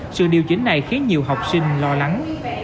sự điều chỉnh này khiến nhiều học sinh lo lắng